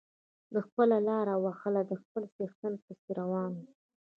ده خپله لاره وهله د خپل څښتن پسې روان و.